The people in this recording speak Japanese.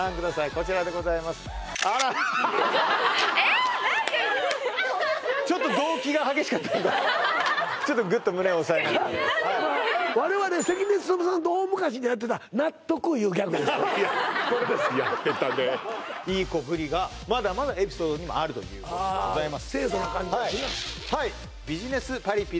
こちらでございますあら・えー何かちょっとグッと胸押さえながら我々関根勤さんと大昔にやってたやってたねいい子ぶりがまだまだエピソードにもあるということでございます